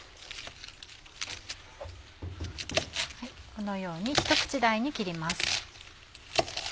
このようにひと口大に切ります。